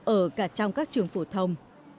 ở cả trong các trường phổ thông